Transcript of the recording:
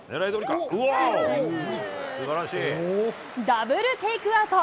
ダブルテイクアウト。